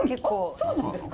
そうなんですか。